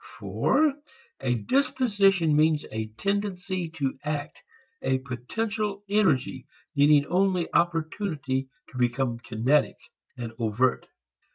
For a disposition means a tendency to act, a potential energy needing only opportunity to become kinetic and overt.